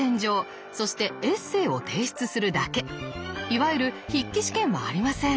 いわゆる筆記試験はありません。